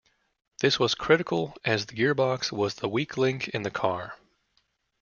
This was critical as the gearbox was the weak link in the car.